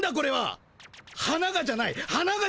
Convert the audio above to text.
「花が」じゃないだろ。